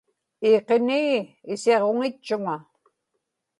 iiqinii, isiġuŋitchuŋa